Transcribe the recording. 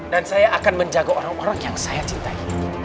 saya akan menjaga orang orang yang saya cintai